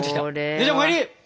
姉ちゃんお帰り！